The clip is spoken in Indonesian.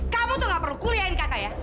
kamu tuh gak perlu kuliahin kata ya